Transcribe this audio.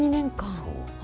そう。